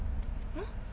えっ？